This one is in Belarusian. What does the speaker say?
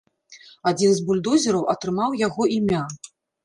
Адзін з бульдозераў атрымаў яго імя.